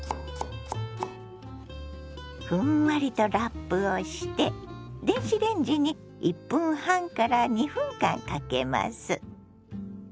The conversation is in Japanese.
ふんわりとラップをして電子レンジに１分半から２分間かけます。